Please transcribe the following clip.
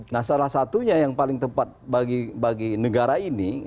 nah salah satunya yang paling tepat bagi negara ini